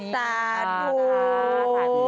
ตาทู